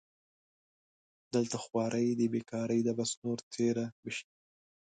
دلته خواري دې بېکاري ده بس نو تېره به شي